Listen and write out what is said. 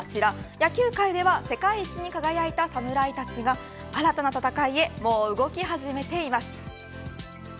野球界では世界一に輝いた侍たちが新たな戦いへもう動き始めています。